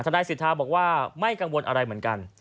นายสิทธาบอกว่าไม่กังวลอะไรเหมือนกัน